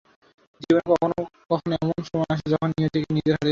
জীবনে কখনো কখনো এমন সময় আসে যখন নিয়তিকে নিজের হাতে নিতে হয়।